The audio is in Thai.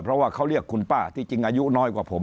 เพราะว่าเขาเรียกคุณป้าที่จริงอายุน้อยกว่าผม